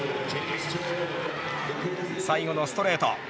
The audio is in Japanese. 最後のストレート。